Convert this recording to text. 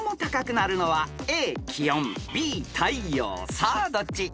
［さあどっち？］